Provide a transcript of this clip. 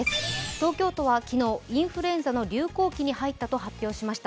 東京都は昨日、インフルエンザの流行期に入ったと発表しました。